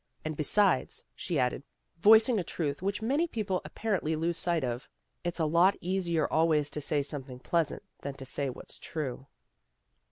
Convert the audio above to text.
And, besides," she added, voicing a truth which many people apparently lose sight of, " it's a lot easier always to say something pleasant than to say what's true."